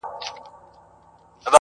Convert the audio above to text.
ویل ځوانه په امان سې له دښمنه٫